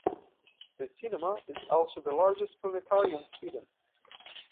The cinema is also the largest planetarium in Sweden.